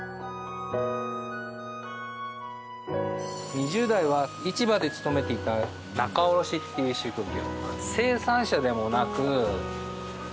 ２０代は市場で勤めていた仲卸っていう職業。